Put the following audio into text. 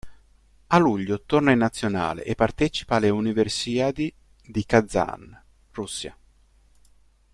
A luglio torna in Nazionale e partecipa alle Universiadi di Kazan, Russia.